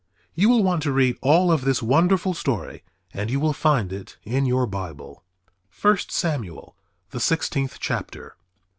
You will want to read all of this wonderful story and you will find it in your Bible, First Samuel the sixteenth chapter.